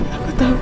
aku tahu mas